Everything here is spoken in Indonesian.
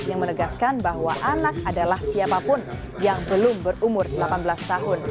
yang menegaskan bahwa anak adalah siapapun yang belum berumur delapan belas tahun